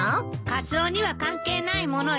カツオには関係ないものよ。